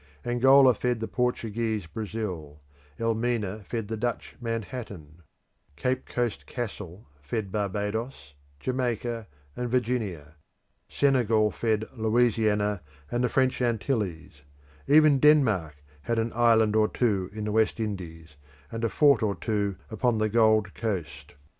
Angola fed the Portuguese Brazil; Elmina fed the Dutch Manhattan; Cape Coast Castle fed Barbados, Jamaica, and Virginia; Senegal fed Louisiana and the French Antilles; even Denmark had an island or two in the West Indies, and a fort or two upon the Gold Coast.